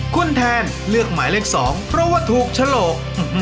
คุณแทนเลือกหมายเลข๒เพราะว่าถูกฉลก